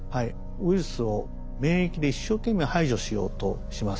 ウイルスを免疫で一生懸命排除しようとします。